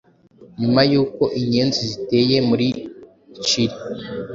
Nyuma y’uko Inyenzi ziteye muri Nshiri